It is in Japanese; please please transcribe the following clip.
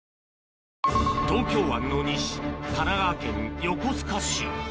東京湾の西神奈川県横須賀市